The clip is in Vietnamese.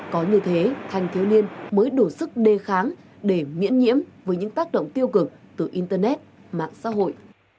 có như thế thanh thiếu niên mới đủ sức đề kháng để miễn nhiễm với những tác động tiêu cực từ internet mạng xã hội